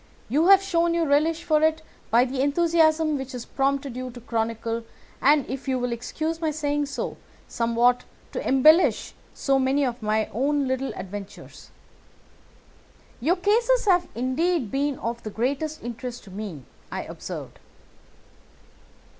You have shown your relish for it by the enthusiasm which has prompted you to chronicle, and, if you will excuse my saying so, somewhat to embellish so many of my own little adventures." "Your cases have indeed been of the greatest interest to me," I observed.